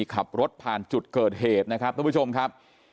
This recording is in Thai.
ขับรถผ่านจุดเกิดเหตุนะครับทุกผู้ชมครับ